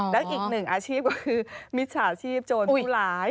และอีกหนึ่งอาชีพก็คือมิจฉาชีพโจรผู้ร้าย